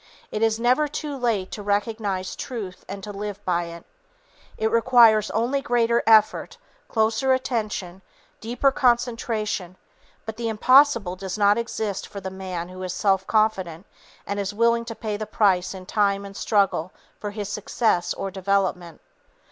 It is never too late to recognize truth and to live by it. It requires only greater effort, closer attention, deeper consecration; but the impossible does not exist for the man who is self confident and is willing to pay the price in time and struggle for his success or development.